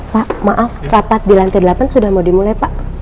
pak maaf rapat di lantai delapan sudah mau dimulai pak